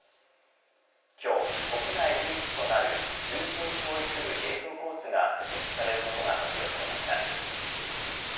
今日、国内で唯一となる通信教育部映像コースが設立されることが発表されました。